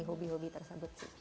hobi hobi tersebut sih